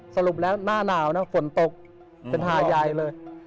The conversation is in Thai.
สรุปแล้วหน้าหนาวนะฝนตกเป็นหาใหญ่เลย